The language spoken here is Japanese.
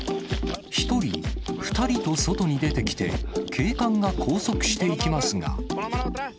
１人、２人と外に出てきて、警官が拘束していきますが。